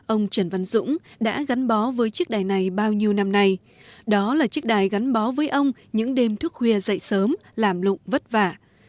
ông trần văn dũng đã gắn bó với chiếc đài này bao nhiêu năm nay đó là chiếc đài gắn bó với ông những đêm thước khuya dậy sớm làm lụng vất vả